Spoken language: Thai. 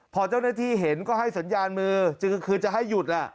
พอเจ้าหน้าที่เห็นก็ให้สัญญาณมือคือจะให้หยุด